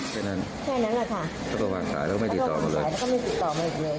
แค่นั้นครับแค่นั้นแหละค่ะแล้วก็ไม่ติดต่อมาอีกเลย